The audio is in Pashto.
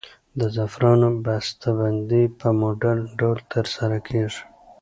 د زعفرانو بسته بندي په مډرن ډول ترسره کیږي.